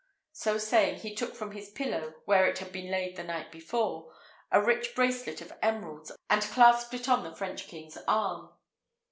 So saying, he took from his pillow, where it had been laid the night before, a rich bracelet of emeralds, and clasped it on the French king's arm.